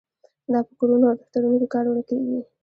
دا په کورونو او دفترونو کې کارول کیږي.